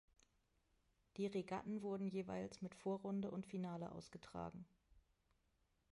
Die Regatten wurden jeweils mit Vorrunde und Finale ausgetragen.